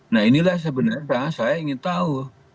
nah inilah sebenarnya saya ingin tahu